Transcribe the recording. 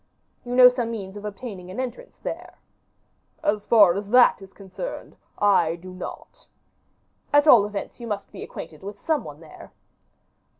"You know some means of obtaining an entrance there." "As far as that is concerned, I do not." "At all events, you must be acquainted with some one there."